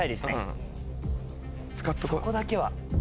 そこだけは。